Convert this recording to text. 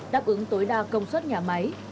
đáp ứng tối đa công suất nhà máy